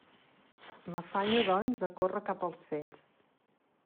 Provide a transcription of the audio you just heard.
M'afanyo, doncs, a córrer cap als fets.